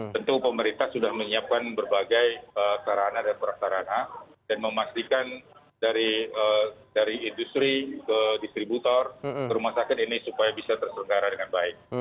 tentu pemerintah sudah menyiapkan berbagai sarana dan prasarana dan memastikan dari industri ke distributor ke rumah sakit ini supaya bisa terselenggara dengan baik